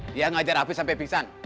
dia ngajar api sampai pingsan